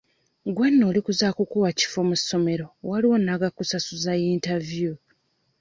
Gwe nno oli ku za kukuwa kifo mu ssomero, waliwo n'agakusasuza yintaviyu.